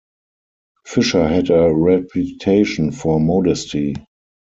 Fisher had a reputation for modesty.